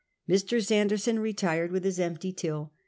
Mr. Sanderson retired with his empty till.